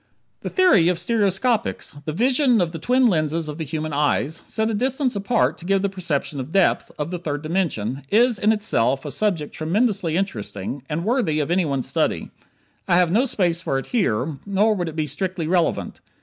The theory of stereoscopics the vision of the twin lenses of the human eyes, set a distance apart to give the perception of depth, of the third dimension is in itself a subject tremendously interesting, and worthy of anyone's study. I have no space for it here, nor would it be strictly relevant.